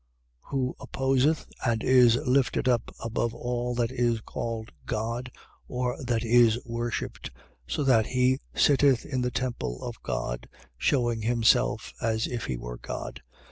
Who opposeth and is lifted up above all that is called God or that is worshipped, so that he sitteth in the temple of God, shewing himself as if he were God.